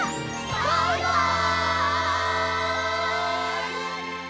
バイバイ！